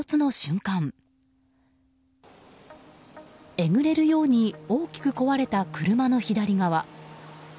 えぐれるように大きく壊れた車の左側。